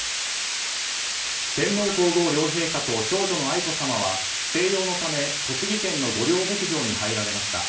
天皇・皇后両陛下と長女の愛子さまは静養のため栃木県の御料牧場に入られました。